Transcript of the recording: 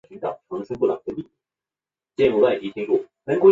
隆块拟银杏蟹为扇蟹科拟银杏蟹属的动物。